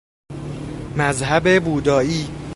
مذهب بودائی